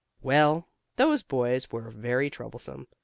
Well, those boys were very troublesome.